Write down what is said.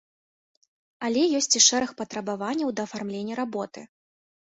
Але ёсць і шэраг патрабаванняў да афармлення работы.